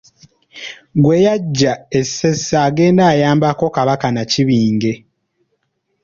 Gwe yaggya e Ssese agende ayambeko Kabaka Nakibinge.